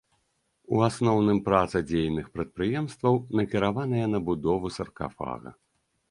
У асноўным праца дзейных прадпрыемстваў накіраваная на будову саркафага.